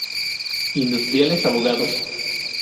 Industriales... Abogados...